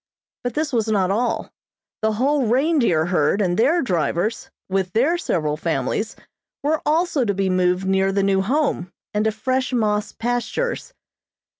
But this was not all. The whole reindeer herd and their drivers, with their several families, were also to be moved near the new Home, and to fresh moss pastures.